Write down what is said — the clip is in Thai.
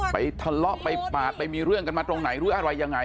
ไปทะเลาะไปปาดไปมีเรื่องกันมาตรงไหนหรืออะไรยังไง